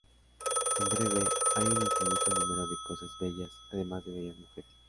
En breve, hay un infinito número de cosas bellas además de bellas mujeres.